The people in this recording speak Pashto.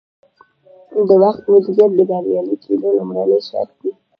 د وخت مدیریت د بریالي کیدو لومړنی شرط دی.